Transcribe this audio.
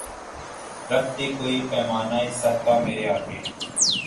رکھ دے کوئی پیمانۂ صہبا مرے آگے